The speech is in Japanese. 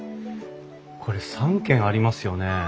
これ３間ありますよね？